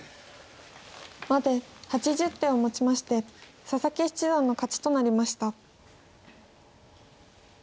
まで８０手をもちまして佐々木七段の勝ちとなりました。